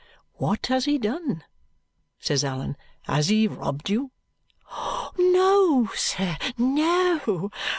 "What has he done?" says Allan. "Has he robbed you?" "No, sir, no.